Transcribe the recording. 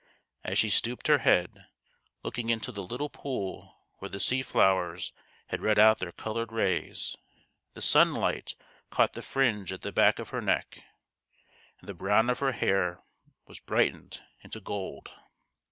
As she stooped her head, looking into the little pool where the sea flowers had S) read out their coloured rays, the sunlight caught the fringe at the back of her neck, and the brown of her hair was brightened into gold.